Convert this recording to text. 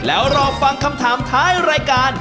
แล้วรอฟังคำถามท้ายรายการ